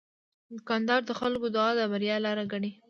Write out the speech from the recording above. دوکاندار د خلکو دعا د بریا لاره ګڼي.